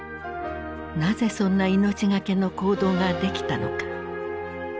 なぜそんな命懸けの行動ができたのか。